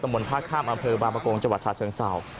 ตรงบนภาคข้ามอำเภอบาปะโกงจังหวัดชาติเชิงซาว